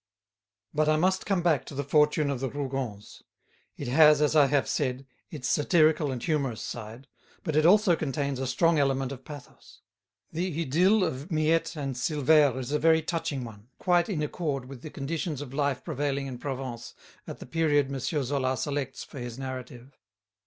But I must come back to "The Fortune of the Rougons." It has, as I have said, its satirical and humorous side; but it also contains a strong element of pathos. The idyll of Miette and Silvère is a very touching one, and quite in accord with the conditions of life prevailing in Provence at the period M. Zola selects for his narrative.